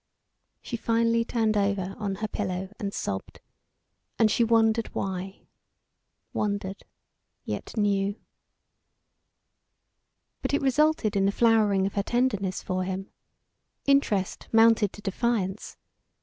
She finally turned over on her pillow and sobbed; and she wondered why wondered, yet knew. But it resulted in the flowering of her tenderness for him. Interest mounted to defiance.